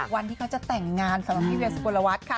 วันที่เขาจะแต่งงานสำหรับพี่เวียสุกลวัฒน์ค่ะ